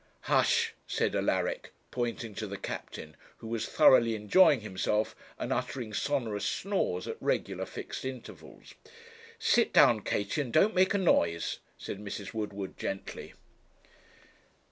'Hush,' said Alaric, pointing to the captain, who was thoroughly enjoying himself, and uttering sonorous snores at regular fixed intervals. 'Sit down, Katie, and don't make a noise,' said Mrs. Woodward, gently.